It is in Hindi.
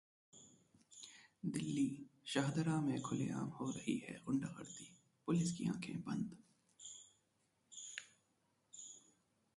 दिल्लीः शाहदरा में खुलेआम हो रही है गुंडागर्दी, पुलिस की आंखें बंद